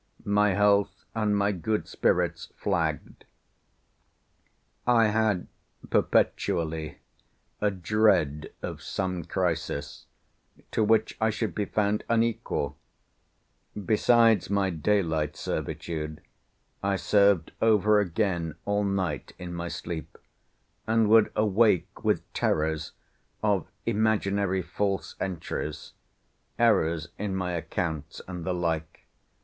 My health and my good spirits flagged. I had perpetually a dread of some crisis, to which I should be found unequal. Besides my daylight servitude, I served over again all night in my sleep, and would awake with terrors of imaginary false entries, errors in my accounts, and the like.